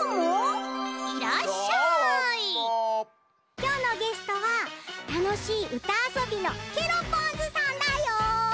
きょうのゲストはたのしいうたあそびのケロポンズさんだよ！